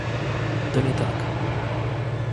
To nie tak